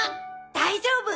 大丈夫。